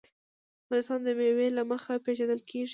افغانستان د مېوې له مخې پېژندل کېږي.